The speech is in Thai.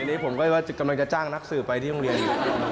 ในนี้ผมก็อยากจะจ้างนักสือไปที่โรงเรียน